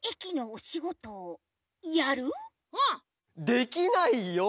できないよ！